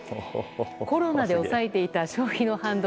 コロナで抑えていた消費の反動